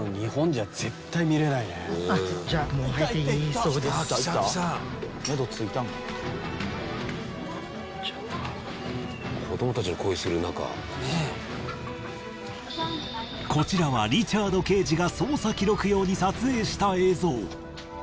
そのためこちらはリチャード刑事が捜査記録用に撮影した映像。